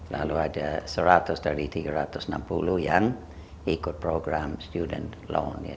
lalu ada seratus dari tiga ratus enam puluh yang ikut program student loan ya